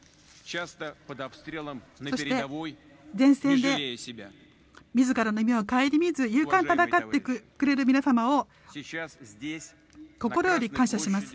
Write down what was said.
そして前線で自らの夢を顧みず勇敢に戦ってくれる皆様を心より感謝します。